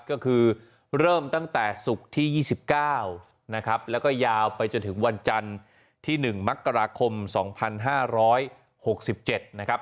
ก็คือเริ่มตั้งแต่ศุกร์ที่ยี่สิบเก้านะครับแล้วก็ยาวไปจนถึงวันจันทร์ที่หนึ่งมกราคมสองพันห้าร้อยหกสิบเจ็ดนะครับ